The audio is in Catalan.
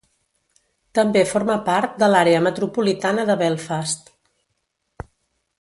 També forma part de l'Àrea Metropolitana de Belfast.